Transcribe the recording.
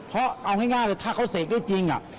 เพราะเอาง่ายถ้าเขาเสกด้วยจริง